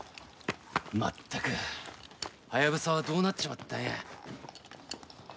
まったくハヤブサはどうなっちまったんや？